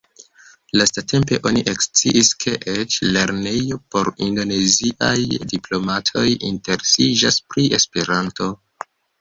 Lastatempe oni eksciis ke eĉ lernejo por indoneziaj diplomatoj interesiĝas pri Esperanto.